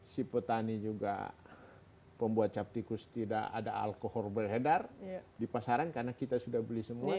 si petani juga pembuat captikus tidak ada alkohol beredar di pasaran karena kita sudah beli semua